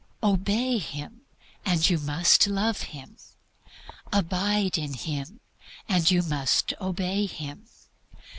Obey Him and you must love Him. Abide in Him, and you must obey Him.